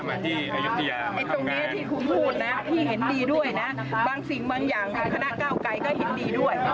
มันมีอะไรที่พวกผมพูด